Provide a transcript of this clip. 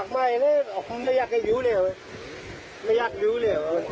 ไปทางสายปีตรงนู้น